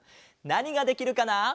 なにができるかな？